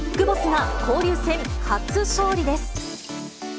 ＢＩＧＢＯＳＳが交流戦初勝利です。